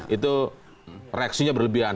itu reaksinya berlebihan